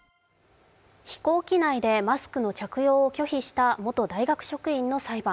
飛行機内でマスクの着用を拒否した元大学職員の裁判。